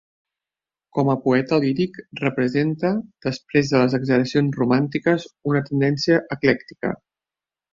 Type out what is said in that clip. Com a poeta líric representa, després de les exageracions romàntiques, una tendència eclèctica.